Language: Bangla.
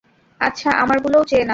আচ্ছা, আমার গুলোও চেয়ে নাও!